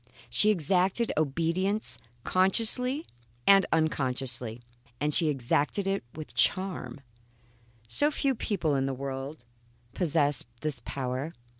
She exacted obedience consciously and unconsciously, and she exacted it with charm. Some few people in the world possess this power.